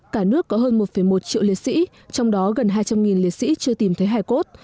cả nước có hơn một một triệu liệt sĩ trong đó gần hai trăm linh liệt sĩ chưa tìm thấy hải cốt